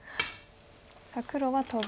さあ黒はトビ。